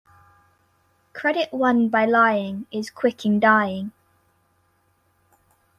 Credit won by lying is quick in dying.